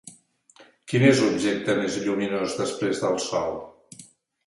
Quin és l'objecte més lluminós després del Sol?